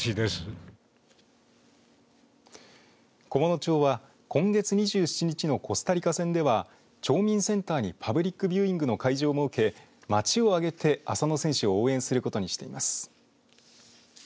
菰野町は今月２７日のコスタリカ戦では町民センターにパブリックビューイングの会場を設け町を挙げて浅野選手を応援することにしています。